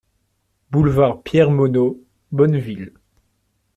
Boulevard Pierre Monod, Bonneville